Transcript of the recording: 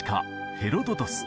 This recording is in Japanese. ヘロドトス